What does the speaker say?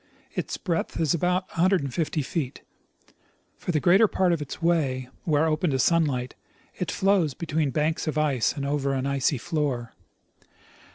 Its breadth is about 150 feet. For the greater j^art of its way, where open to sunlight, it flows between banks of ice and over an icy floor.